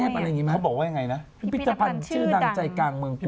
พี่พิทธภัณฑ์ชื่อนางใจกลางเมืองกรุง